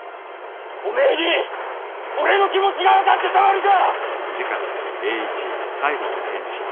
おめぇに俺の気持ちが分かってたまるか！